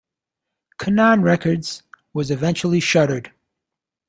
Canaan Records was eventually shuttered.